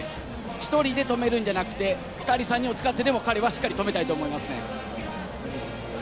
１人で止めるんじゃなくて、２３人を使ってでも彼はしっかり止めたいと思いますね。